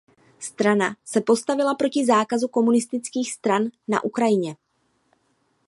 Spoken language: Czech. Strana se postavila proti zákazu komunistických stran na Ukrajině.